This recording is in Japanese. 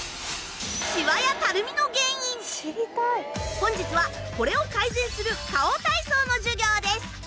本日はこれを改善する顔体操の授業です。